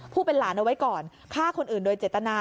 หลานเอาไว้ก่อนฆ่าคนอื่นโดยเจตนา